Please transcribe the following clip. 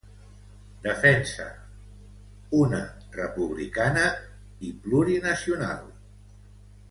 Defensa una Espanya republicana i plurinacional.